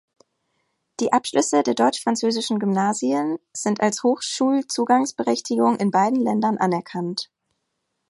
Die Abschlüsse der deutsch-französischen Gymnasien sind als Hochschulzugangsberechtigung in beiden Ländern anerkannt.